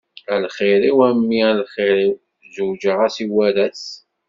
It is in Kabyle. A lxir-iw a mmi a lxir-iw, zewǧeɣ-as i waras.